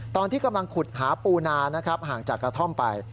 ตอนที่กำลังขุดหาปูนานะครับห่างจากกระท่อมไป